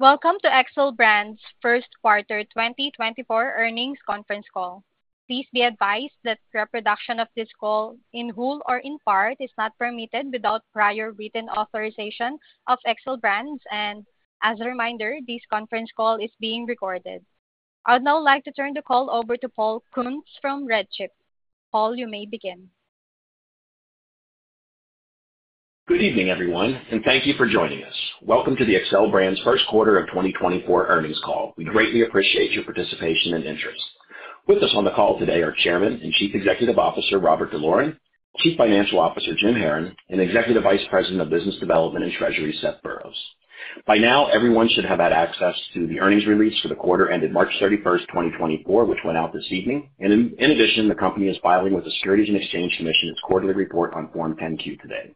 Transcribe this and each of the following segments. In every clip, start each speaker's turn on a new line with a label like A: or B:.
A: Welcome to Xcel Brands' first quarter 2024 earnings conference call. Please be advised that reproduction of this call, in whole or in part, is not permitted without prior written authorization of Xcel Brands, and as a reminder, this conference call is being recorded. I would now like to turn the call over to Paul Kuntz from RedChip Companies. Paul, you may begin.
B: Good evening, everyone, and thank you for joining us. Welcome to the Xcel Brands first quarter of 2024 earnings call. We greatly appreciate your participation and interest. With us on the call today are Chairman and Chief Executive Officer, Robert D'Loren, Chief Financial Officer, Jim Haran, and Executive Vice President of Business Development and Treasury, Seth Boroughs. By now, everyone should have had access to the earnings release for the quarter ended March 31, 2024, which went out this evening. In addition, the company is filing with the Securities and Exchange Commission, its quarterly report on Form 10-Q today.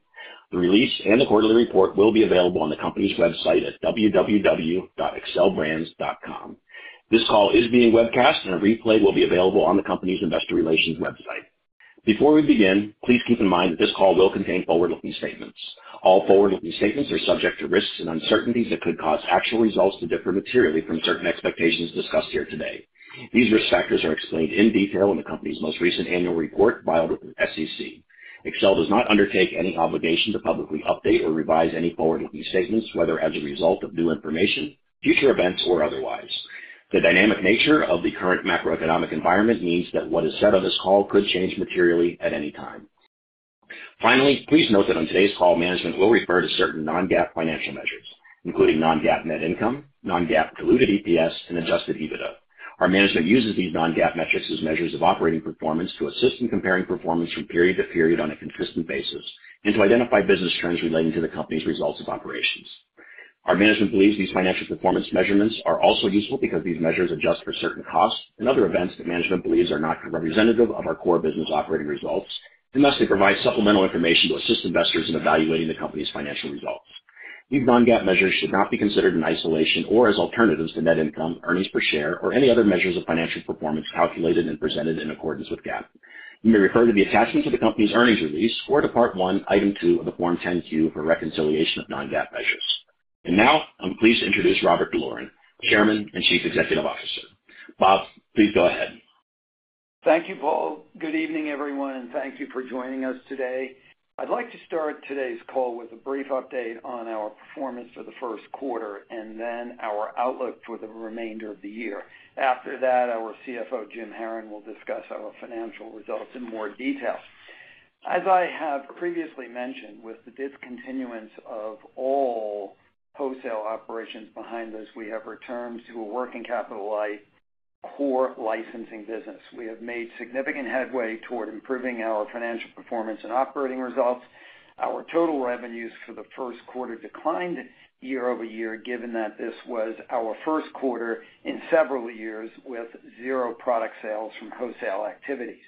B: The release and the quarterly report will be available on the company's website at www.xcelbrands.com. This call is being webcast, and a replay will be available on the company's investor relations website. Before we begin, please keep in mind that this call will contain forward-looking statements. All forward-looking statements are subject to risks and uncertainties that could cause actual results to differ materially from certain expectations discussed here today. These risk factors are explained in detail in the company's most recent annual report filed with the SEC. Xcel does not undertake any obligation to publicly update or revise any forward-looking statements, whether as a result of new information, future events, or otherwise. The dynamic nature of the current macroeconomic environment means that what is said on this call could change materially at any time. Finally, please note that on today's call, management will refer to certain non-GAAP financial measures, including non-GAAP net income, non-GAAP diluted EPS, and adjusted EBITDA. Our management uses these non-GAAP metrics as measures of operating performance to assist in comparing performance from period to period on a consistent basis and to identify business trends relating to the company's results of operations. Our management believes these financial performance measurements are also useful because these measures adjust for certain costs and other events that management believes are not representative of our core business operating results, and thus they provide supplemental information to assist investors in evaluating the company's financial results. These non-GAAP measures should not be considered in isolation or as alternatives to net income, earnings per share, or any other measures of financial performance calculated and presented in accordance with GAAP. You may refer to the attachments of the company's earnings release or to Part One, Item Two of the Form 10-Q for a reconciliation of non-GAAP measures. And now, I'm pleased to introduce Robert D'Loren, Chairman and Chief Executive Officer. Bob, please go ahead.
C: Thank you, Paul. Good evening, everyone, and thank you for joining us today. I'd like to start today's call with a brief update on our performance for the first quarter and then our outlook for the remainder of the year. After that, our CFO, Jim Haran, will discuss our financial results in more detail. As I have previously mentioned, with the discontinuance of all wholesale operations behind us, we have returned to a working capital light, core licensing business. We have made significant headway toward improving our financial performance and operating results. Our total revenues for the first quarter declined year-over-year, given that this was our first quarter in several years with zero product sales from wholesale activities.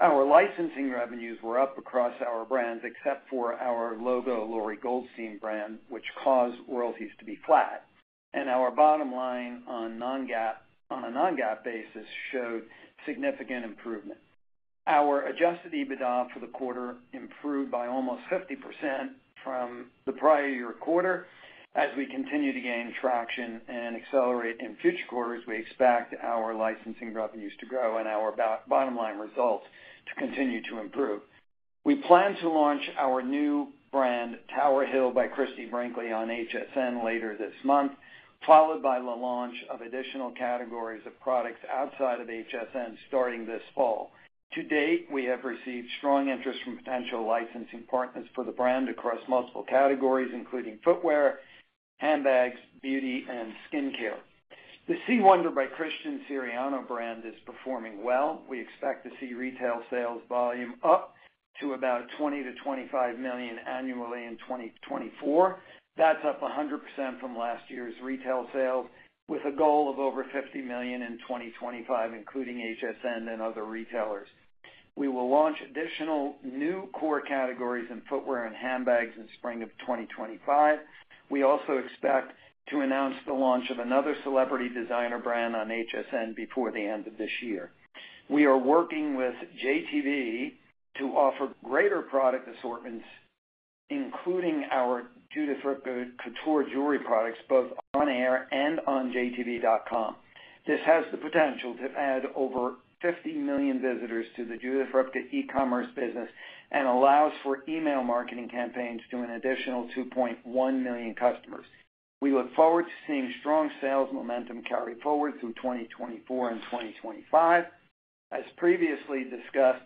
C: Our licensing revenues were up across our brands, except for our LOGO Lori Goldstein brand, which caused royalties to be flat, and our bottom line on a non-GAAP basis showed significant improvement. Our Adjusted EBITDA for the quarter improved by almost 50% from the prior year quarter. As we continue to gain traction and accelerate in future quarters, we expect our licensing revenues to grow and our bottom line results to continue to improve. We plan to launch our new brand, Tower Hill by Christie Brinkley, on HSN later this month, followed by the launch of additional categories of products outside of HSN starting this fall. To date, we have received strong interest from potential licensing partners for the brand across multiple categories, including footwear, handbags, beauty, and skincare. The C. Wonder by Christian Siriano brand is performing well. We expect to see retail sales volume up to about $20-$25 million annually in 2024. That's up 100% from last year's retail sales, with a goal of over $50 million in 2025, including HSN and other retailers. We will launch additional new core categories in footwear and handbags in spring of 2025. We also expect to announce the launch of another celebrity designer brand on HSN before the end of this year. We are working with JTV to offer greater product assortments, including our Judith Ripka Couture jewelry products, both on air and on JTV.com. This has the potential to add over 50 million visitors to the Judith Ripka e-commerce business and allows for email marketing campaigns to an additional 2.1 million customers. We look forward to seeing strong sales momentum carry forward through 2024 and 2025. As previously discussed,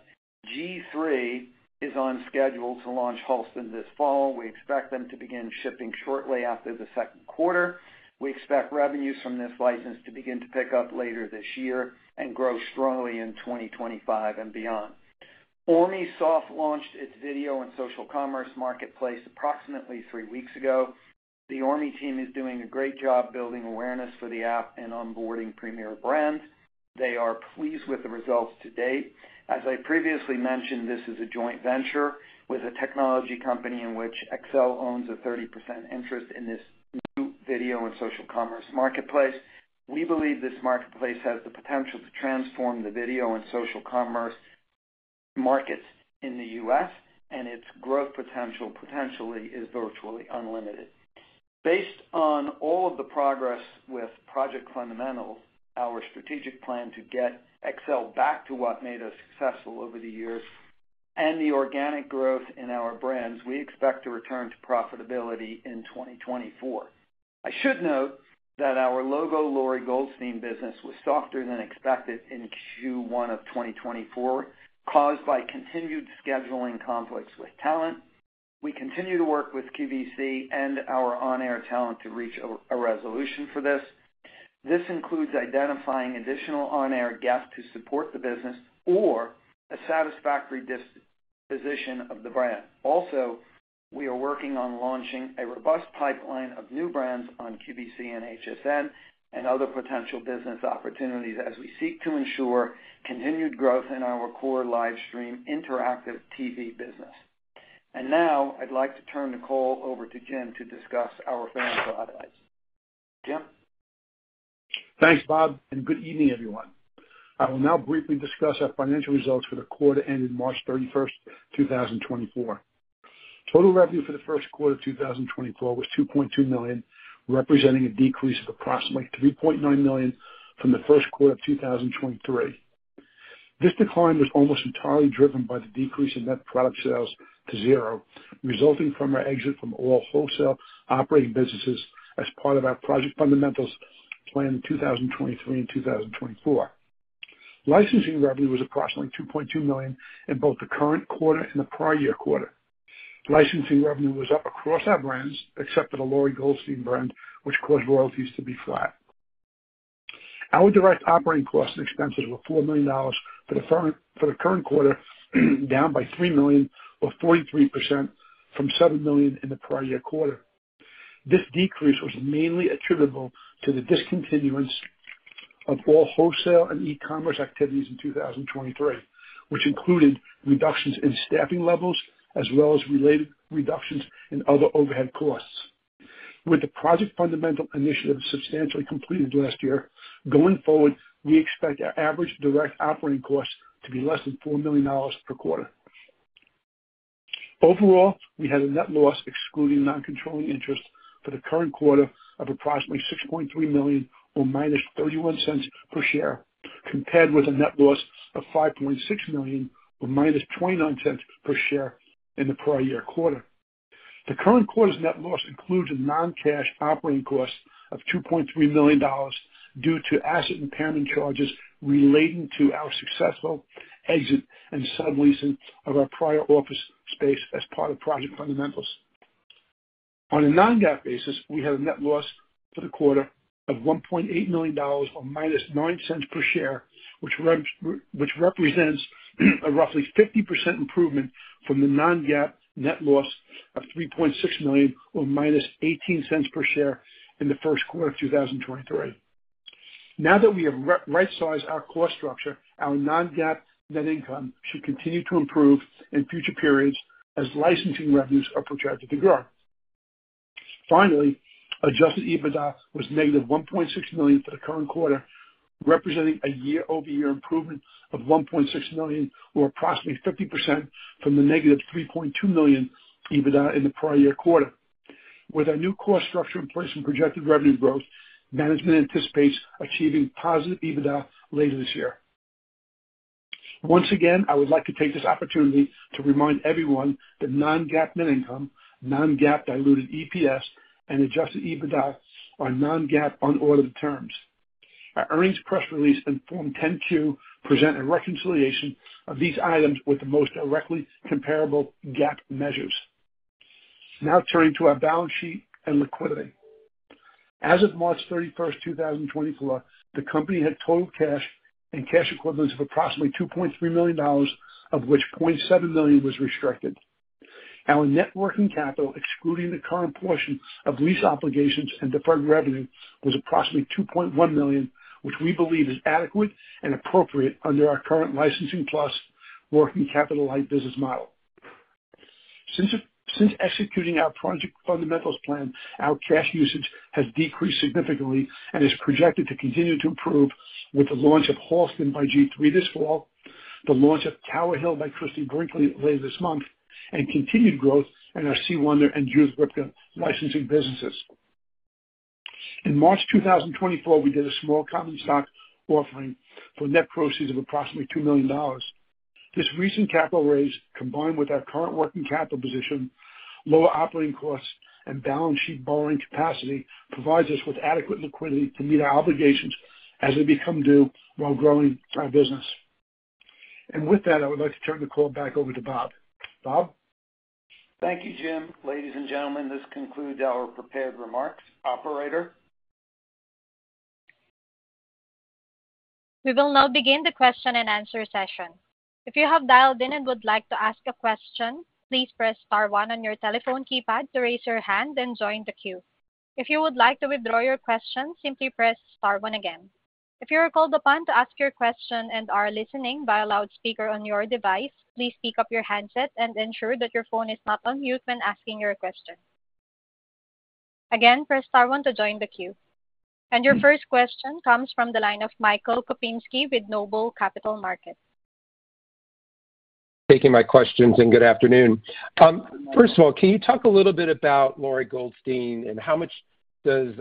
C: G-III is on schedule to launch Halston this fall. We expect them to begin shipping shortly after the second quarter. We expect revenues from this license to begin to pick up later this year and grow strongly in 2025 and beyond. Orme soft launched its video and social commerce marketplace approximately three weeks ago. The Orme team is doing a great job building awareness for the app and onboarding premier brands. They are pleased with the results to date. As I previously mentioned, this is a joint venture with a technology company in which Xcel owns a 30% interest in this new video and social commerce marketplace. We believe this marketplace has the potential to transform the video and social commerce markets in the U.S., and its growth potential potentially is virtually unlimited. Based on all of the progress with Project Fundamentals, our strategic plan to get Xcel back to what made us successful over the years, and the organic growth in our brands, we expect to return to profitability in 2024. I should note that our LOGO Lori Goldstein business was softer than expected in Q1 of 2024, caused by continued scheduling conflicts with talent. We continue to work with QVC and our on-air talent to reach a resolution for this. This includes identifying additional on-air guests to support the business or a satisfactory disposition of the brand. Also, we are working on launching a robust pipeline of new brands on QVC and HSN and other potential business opportunities, as we seek to ensure continued growth in our core live stream interactive TV business. Now, I'd like to turn the call over to Jim to discuss our financial highlights. Jim?
D: Thanks, Bob, and good evening, everyone. I will now briefly discuss our financial results for the quarter ending March 31st, 2024. Total revenue for the first quarter of 2024 was $2.2 million, representing a decrease of approximately $3.9 million from the first quarter of 2023. This decline was almost entirely driven by the decrease in net product sales to $0, resulting from our exit from all wholesale operating businesses as part of our Project Fundamentals plan in 2023 and 2024. Licensing revenue was approximately $2.2 million in both the current quarter and the prior year quarter. Licensing revenue was up across our brands, except for the Lori Goldstein brand, which caused royalties to be flat. Our direct operating costs and expenses were $4 million for the current quarter, down by $3 million or 43% from $7 million in the prior year quarter. This decrease was mainly attributable to the discontinuance of all wholesale and e-commerce activities in 2023, which included reductions in staffing levels as well as related reductions in other overhead costs. With the Project Fundamentals initiative substantially completed last year, going forward, we expect our average direct operating costs to be less than $4 million per quarter. Overall, we had a net loss, excluding non-controlling interest, for the current quarter of approximately $6.3 million or -$0.31 per share, compared with a net loss of $5.6 million or -$0.29 per share in the prior year quarter. The current quarter's net loss includes a non-cash operating cost of $2.3 million due to asset impairment charges relating to our successful exit and subleasing of our prior office space as part of Project Fundamentals. On a non-GAAP basis, we had a net loss for the quarter of $1.8 million or -$0.09 per share, which represents a roughly 50% improvement from the non-GAAP net loss of $3.6 million or -$0.18 per share in the first quarter of 2023. Now that we have rightsized our cost structure, our non-GAAP net income should continue to improve in future periods as licensing revenues are projected to grow. Finally, adjusted EBITDA was negative $1.6 million for the current quarter, representing a year-over-year improvement of $1.6 million, or approximately 50% from the negative $3.2 million EBITDA in the prior year quarter. With our new cost structure in place and projected revenue growth, management anticipates achieving positive EBITDA later this year. Once again, I would like to take this opportunity to remind everyone that non-GAAP net income, non-GAAP diluted EPS, and adjusted EBITDA are non-GAAP unaudited terms. Our earnings press release and Form 10-Q present a reconciliation of these items with the most directly comparable GAAP measures. Now turning to our balance sheet and liquidity. As of March 31, 2024, the company had total cash and cash equivalents of approximately $2.3 million, of which $0.7 million was restricted. Our net working capital, excluding the current portion of lease obligations and deferred revenue, was approximately $2.1 million, which we believe is adequate and appropriate under our current licensing plus working capital light business model. Since executing our Project Fundamentals plan, our cash usage has decreased significantly and is projected to continue to improve with the launch of Halston by G-III this fall, the launch of Tower Hill by Christie Brinkley later this month, and continued growth in our C. Wonder and Judith Ripka licensing businesses. In March 2024, we did a small common stock offering for net proceeds of approximately $2 million. This recent capital raise, combined with our current working capital position, lower operating costs, and balance sheet borrowing capacity, provides us with adequate liquidity to meet our obligations as they become due while growing our business. With that, I would like to turn the call back over to Bob. Bob?
C: Thank you, Jim. Ladies and gentlemen, this concludes our prepared remarks. Operator?
A: We will now begin the question-and-answer session. If you have dialed in and would like to ask a question, please press star one on your telephone keypad to raise your hand and join the queue. If you would like to withdraw your question, simply press star one again. If you are called upon to ask your question and are listening via loudspeaker on your device, please pick up your handset and ensure that your phone is not on mute when asking your question.... Again, press star one to join the queue. Your first question comes from the line of Michael Kupinski with Noble Capital Markets.
E: Taking my questions, and good afternoon. First of all, can you talk a little bit about Lori Goldstein, and how much does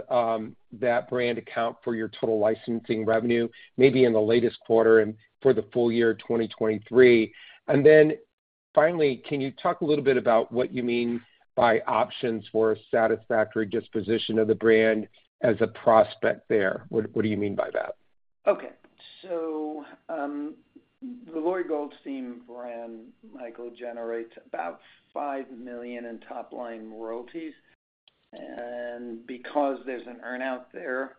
E: that brand account for your total licensing revenue, maybe in the latest quarter and for the full year, 2023? And then finally, can you talk a little bit about what you mean by options for a satisfactory disposition of the brand as a prospect there? What do you mean by that?
C: Okay. So, the Lori Goldstein brand, Michael, generates about $5 million in top-line royalties. And because there's an earn out there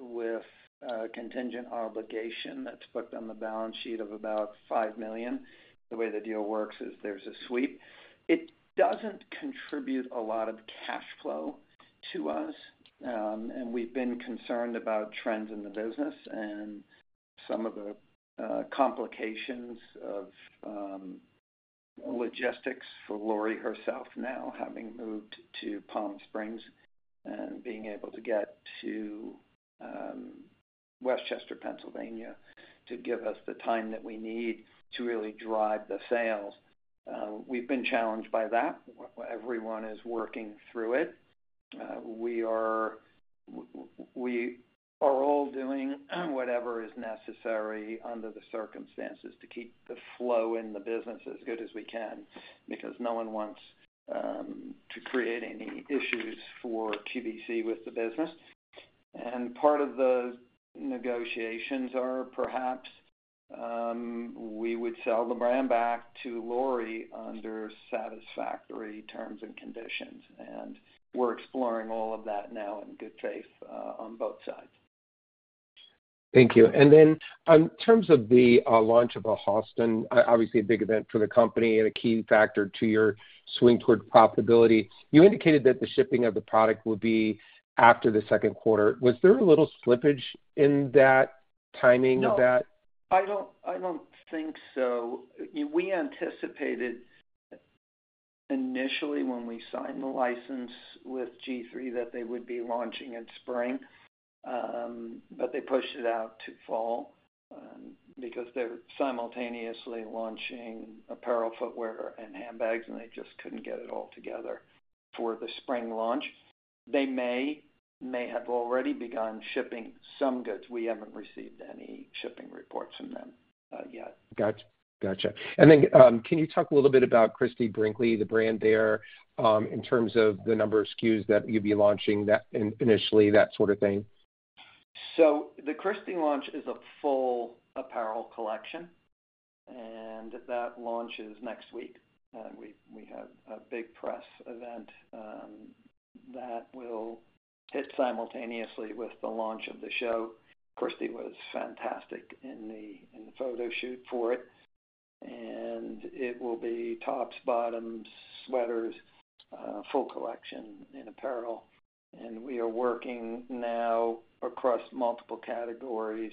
C: with a contingent obligation that's booked on the balance sheet of about $5 million, the way the deal works is there's a sweep. It doesn't contribute a lot of cash flow to us, and we've been concerned about trends in the business and some of the complications of logistics for Lori herself now, having moved to Palm Springs and being able to get to Westchester, Pennsylvania, to give us the time that we need to really drive the sales. We've been challenged by that. Everyone is working through it. We are all doing whatever is necessary under the circumstances to keep the flow in the business as good as we can because no one wants to create any issues for QVC with the business. Part of the negotiations are perhaps we would sell the brand back to Lori under satisfactory terms and conditions, and we're exploring all of that now in good faith on both sides.
E: Thank you. And then in terms of the launch of Halston, obviously a big event for the company and a key factor to your swing toward profitability, you indicated that the shipping of the product would be after the second quarter. Was there a little slippage in that timing of that?
C: No, I don't, I don't think so. We anticipated initially when we signed the license with G-III, that they would be launching in spring, but they pushed it out to fall, because they're simultaneously launching apparel, footwear, and handbags, and they just couldn't get it all together for the spring launch. They may have already begun shipping some goods. We haven't received any shipping reports from them, yet.
E: Got you. Gotcha. And then, can you talk a little bit about Christie Brinkley, the brand there, in terms of the number of SKUs that you'd be launching that initially, that sort of thing?
C: So the Christie launch is a full apparel collection, and that launches next week. And we have a big press event that will hit simultaneously with the launch of the show. Christie was fantastic in the photo shoot for it, and it will be tops, bottoms, sweaters, full collection in apparel. And we are working now across multiple categories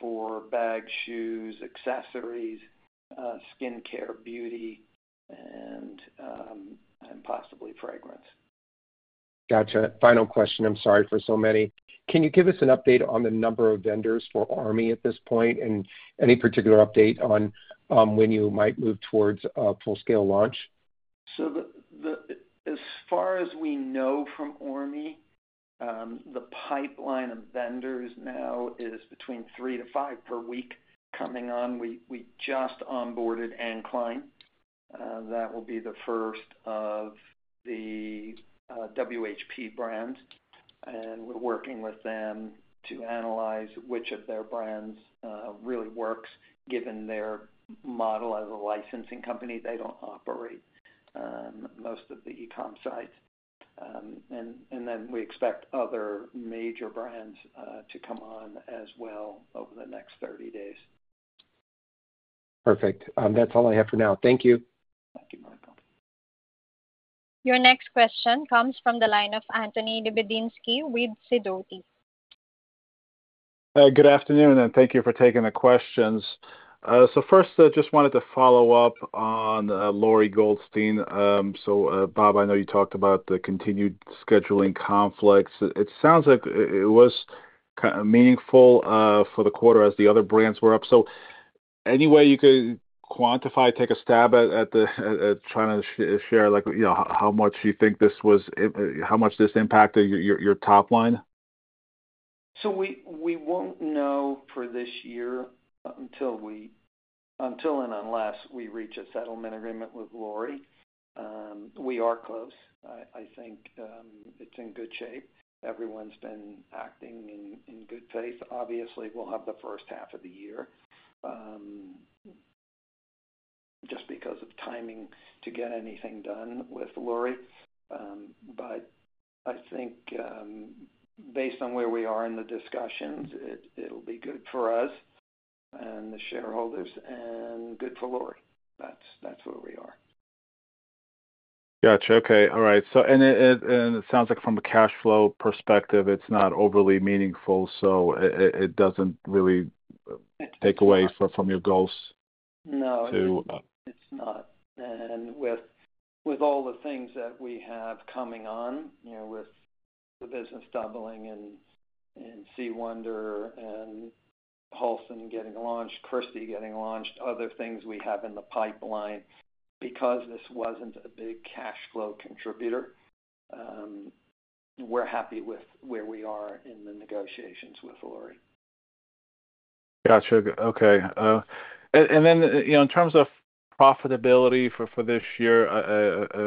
C: for bags, shoes, accessories, skincare, beauty, and possibly fragrance.
E: Gotcha. Final question, I'm sorry for so many. Can you give us an update on the number of vendors for ORME at this point, and any particular update on, when you might move towards a full-scale launch?
C: So as far as we know from ORME, the pipeline of vendors now is between 3-5 per week coming on. We just onboarded Anne Klein, that will be the first of the WHP brands, and we're working with them to analyze which of their brands really works, given their model as a licensing company. They don't operate most of the e-com sites. We expect other major brands to come on as well over the next 30 days.
E: Perfect. That's all I have for now. Thank you.
C: Thank you, Michael.
A: Your next question comes from the line of Anthony Lebidzinski with Sidoti.
F: Good afternoon, and thank you for taking the questions. First, I just wanted to follow up on Lori Goldstein. Bob, I know you talked about the continued scheduling conflicts. It sounds like it was kind of meaningful for the quarter as the other brands were up. Any way you could quantify, take a stab at trying to share, like, you know, how much do you think this was, how much this impacted your top line?
C: So we won't know for this year until and unless we reach a settlement agreement with Lori. We are close. I think it's in good shape. Everyone's been acting in good faith. Obviously, we'll have the first half of the year just because of timing to get anything done with Lori. But I think, based on where we are in the discussions, it'll be good for us and the shareholders and good for Lori. That's where we are.
F: Gotcha. Okay. All right. So it sounds like from a cash flow perspective, it's not overly meaningful, so it doesn't really take away from your goals?
C: No, it's not. With all the things that we have coming on, you know, with the business doubling and C. Wonder and Halston getting launched, Christie getting launched, other things we have in the pipeline, because this wasn't a big cash flow contributor, we're happy with where we are in the negotiations with Lori.
F: Gotcha. Okay. And then, you know, in terms of profitability for this year,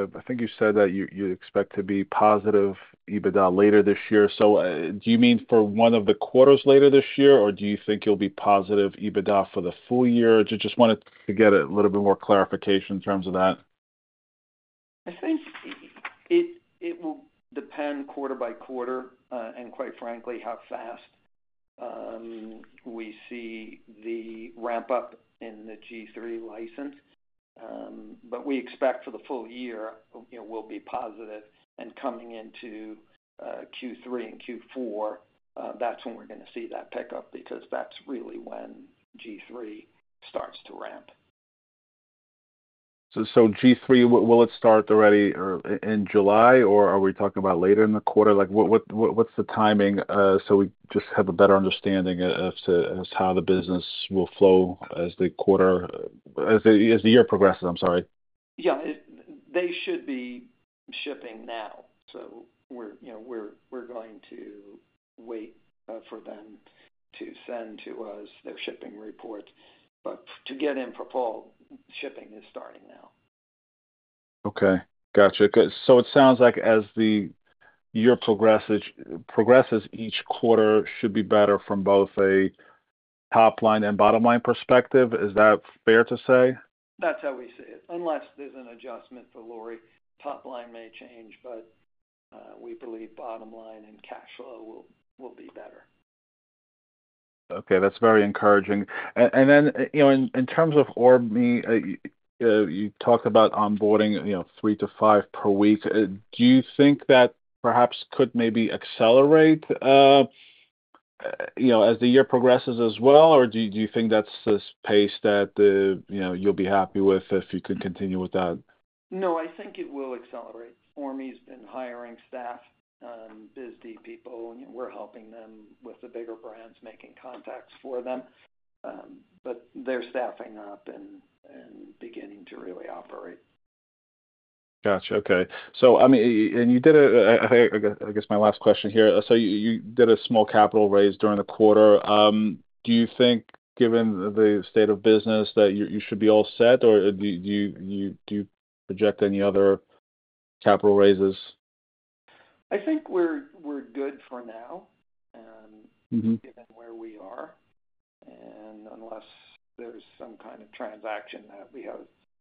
F: I think you said that you expect to be positive EBITDA later this year. So, do you mean for one of the quarters later this year, or do you think you'll be positive EBITDA for the full year? Just wanted to get a little bit more clarification in terms of that.
C: I think it will depend quarter by quarter, and quite frankly, how fast we see the ramp-up in the G-III license. But we expect for the full year, you know, we'll be positive. And coming into Q3 and Q4, that's when we're gonna see that pick up, because that's really when G-III starts to ramp.
F: So, G-III, will it start already or in July, or are we talking about later in the quarter? Like, what's the timing, so we just have a better understanding as to how the business will flow as the quarter, as the year progresses? I'm sorry.
C: Yeah. They should be shipping now. So we're, you know, going to wait for them to send to us their shipping report. But to get in for fall, shipping is starting now.
F: Okay, gotcha. Good. So it sounds like as the year progresses, progresses, each quarter should be better from both a top line and bottom line perspective. Is that fair to say?
C: That's how we see it. Unless there's an adjustment for Lori, top line may change, but we believe bottom line and cash flow will be better.
F: Okay, that's very encouraging. And then, you know, in terms of Orme, you talk about onboarding, you know, 3-5 per week. Do you think that perhaps could maybe accelerate, you know, as the year progresses as well? Or do you think that's the pace that, you know, you'll be happy with if you could continue with that?
C: No, I think it will accelerate. ORME's been hiring staff, biz dev people, and we're helping them with the bigger brands, making contacts for them. But they're staffing up and beginning to really operate.
F: Gotcha. Okay. So, I mean, you did—I guess, my last question here: So you did a small capital raise during the quarter. Do you think, given the state of business, that you should be all set, or do you project any other capital raises?
C: I think we're good for now, and-
F: Mm-hmm
C: Given where we are, and unless there's some kind of transaction that we have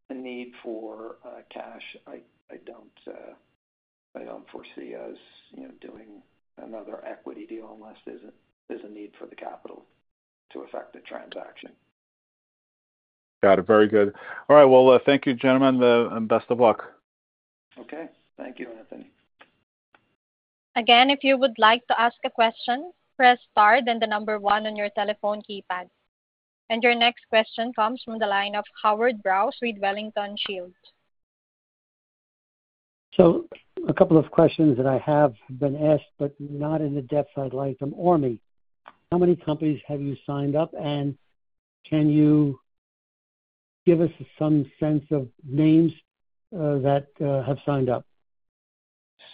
C: a need for cash, I don't foresee us, you know, doing another equity deal unless there's a need for the capital to affect the transaction.
F: Got it. Very good. All right. Well, thank you, gentlemen, and best of luck.
C: Okay. Thank you, Anthony.
A: Again, if you would like to ask a question, press star, then the number one on your telephone keypad. Your next question comes from the line of Howard Brous, Wellington Shields.
G: So a couple of questions that I have been asked, but not in the depth I'd like them. ORME, how many companies have you signed up? And can you give us some sense of names that have signed up?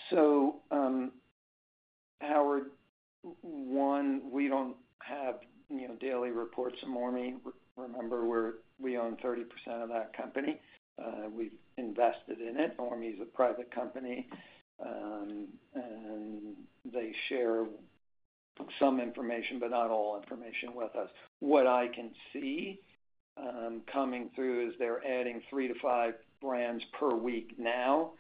C: So, Howard, one, we don't have, you know, daily reports from ORME. Remember, we own 30% of that company. We've invested in it. ORME is a private company, and they share some information, but not all information with us. What I can see coming through is they're adding 3-5 brands per week now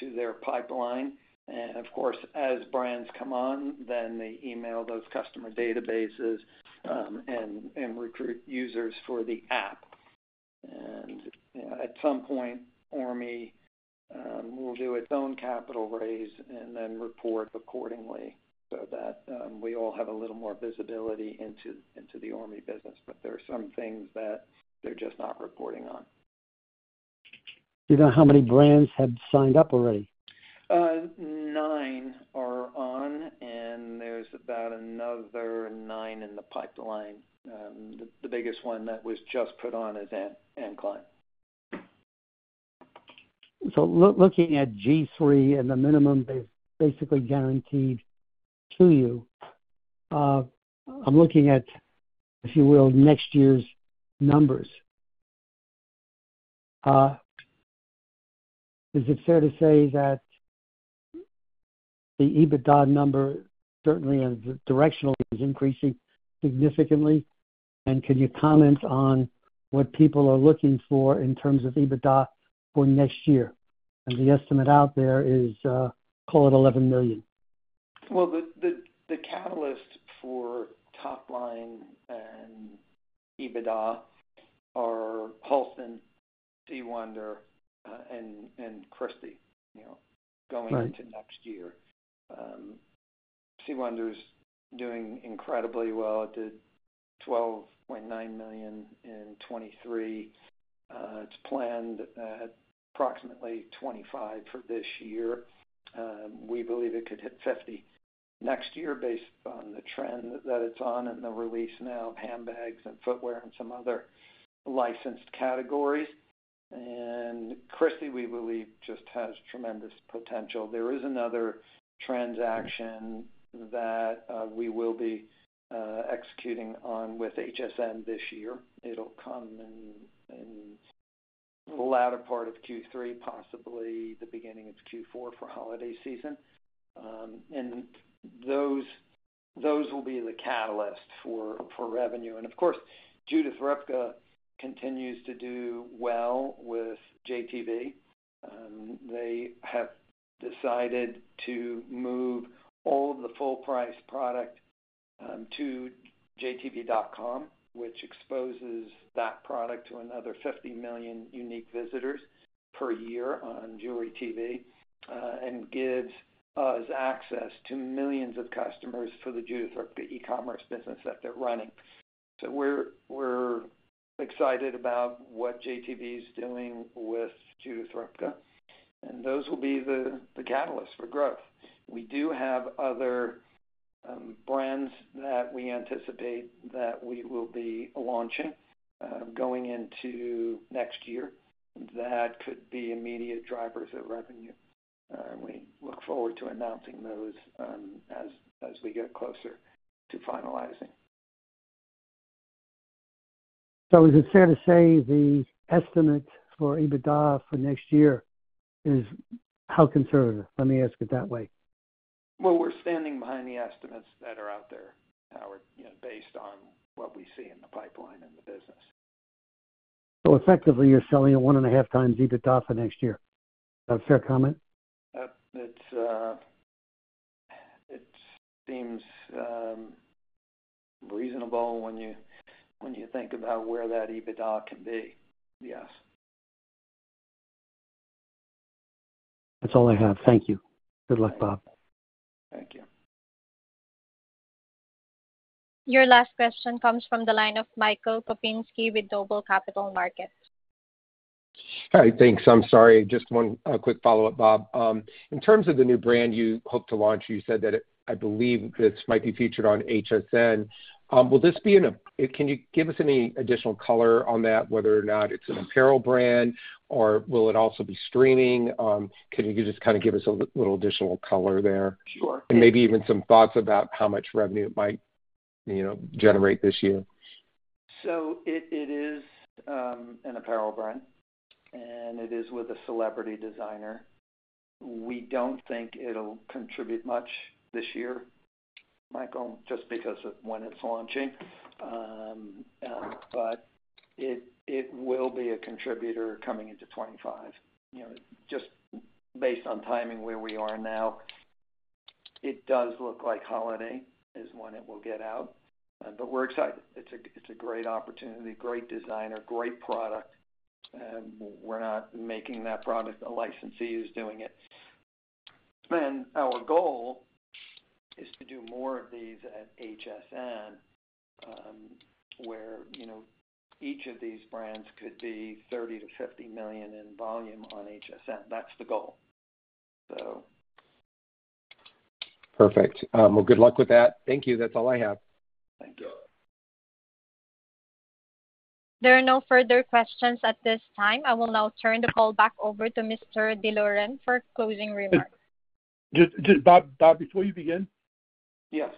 C: to their pipeline. And of course, as brands come on, then they email those customer databases, and recruit users for the app. And, you know, at some point, ORME will do its own capital raise and then report accordingly so that we all have a little more visibility into the ORME business. But there are some things that they're just not reporting on.
G: Do you know how many brands have signed up already?
C: Nine are on, and there's about another nine in the pipeline. The biggest one that was just put on is Anne Klein.
G: So looking at G-III and the minimum basically guaranteed to you, I'm looking at, if you will, next year's numbers. Is it fair to say that the EBITDA number, certainly as directionally, is increasing significantly? And can you comment on what people are looking for in terms of EBITDA for next year? And the estimate out there is, call it $11 million.
C: Well, the catalyst for top line and EBITDA are Halston, C. Wonder, and Christie, you know-
G: Right.
C: Going into next year. C. Wonder is doing incredibly well. It did $12.9 million in 2023. It's planned at approximately $25 million for this year. We believe it could hit $50 million next year based on the trend that it's on, and the release now of handbags and footwear and some other licensed categories. And Christie, we believe, just has tremendous potential. There is another transaction that we will be executing on with HSN this year. It'll come in, in the latter part of Q3, possibly the beginning of Q4, for holiday season. And those, those will be the catalyst for revenue. And of course, Judith Ripka continues to do well with JTV. They have decided to move all of the full-price product to JTV.com, which exposes that product to another 50 million unique visitors per year on Jewelry TV, and gives us access to millions of customers for the Judith Ripka e-commerce business that they're running. So we're excited about what JTV is doing with Judith Ripka, and those will be the catalyst for growth. We do have other brands that we anticipate that we will be launching going into next year, that could be immediate drivers of revenue. We look forward to announcing those as we get closer to finalizing.
G: Is it fair to say the estimate for EBITDA for next year is how conservative? Let me ask it that way.
C: Well, we're standing behind the estimates that are out there, Howard, you know, based on what we see in the pipeline in the business.
G: So effectively, you're selling at 1.5x EBITDA for next year. Is that a fair comment?
C: It seems reasonable when you, when you think about where that EBITDA can be, yes.
G: That's all I have. Thank you. Good luck, Bob.
C: Thank you.
A: Your last question comes from the line of Michael Kupinski with Noble Capital Markets.
E: Hi. Thanks. I'm sorry, just one quick follow-up, Bob. In terms of the new brand you hope to launch, you said that it—I believe this might be featured on HSN. Will this be in a—Can you give us any additional color on that, whether or not it's an apparel brand, or will it also be streaming? Can you just kind of give us a little additional color there?
C: Sure.
E: Maybe even some thoughts about how much revenue it might, you know, generate this year.
C: So it is an apparel brand, and it is with a celebrity designer. We don't think it'll contribute much this year, Michael, just because of when it's launching. But it will be a contributor coming into 2025. You know, just based on timing, where we are now, it does look like holiday is when it will get out, but we're excited. It's a great opportunity, great designer, great product, and we're not making that product. A licensee is doing it. And our goal is to do more of these at HSN, where, you know, each of these brands could be $30 million-$50 million in volume on HSN. That's the goal. So...
E: Perfect. Well, good luck with that. Thank you. That's all I have.
C: Thank you.
A: There are no further questions at this time. I will now turn the call back over to Mr. D'Loren for closing remarks.
D: Just Bob, before you begin?
C: Yes.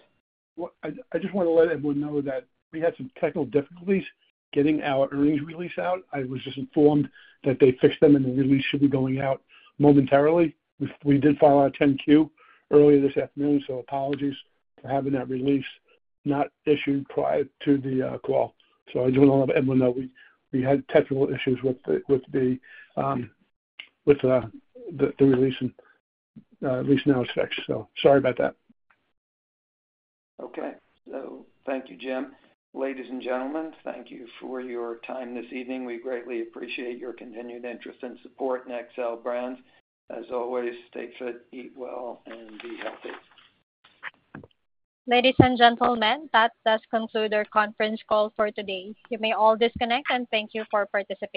D: Well, I just want to let everyone know that we had some technical difficulties getting our earnings release out. I was just informed that they fixed them, and the release should be going out momentarily. We did file our 10-Q earlier this afternoon, so apologies for having that release not issued prior to the call. So I do want to let everyone know we had technical issues with the release and at least now it's fixed. So sorry about that.
C: Okay. So thank you, Jim. Ladies and gentlemen, thank you for your time this evening. We greatly appreciate your continued interest and support in Xcel Brands. As always, stay fit, eat well, and be healthy.
A: Ladies and gentlemen, that does conclude our conference call for today. You may all disconnect, and thank you for participating.